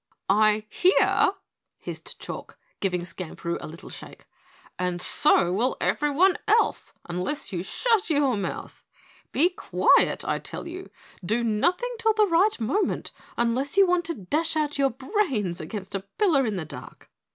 "I hear," hissed Chalk, giving Skamperoo a little shake, "and so will everyone else unless you shut your mouth. Be quiet, I tell you, do nothing till the right moment, unless you want to dash out your brains against a pillar in the dark."